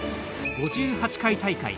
５８回大会。